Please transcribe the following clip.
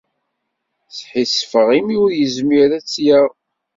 Sḥissifeɣ imi ur yezmir ad tt-yaɣ.